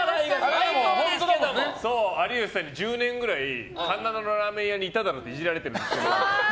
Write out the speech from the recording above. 有吉さんに１０年ぐらい環七のラーメン屋にいただろっていじられてるんです。